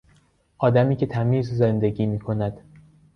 آدمی که تمیز زندگی میکند